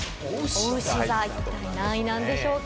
おうし座は何位なんでしょうか？